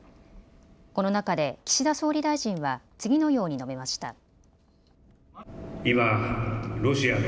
この中で岸田総理大臣は次のように述べました。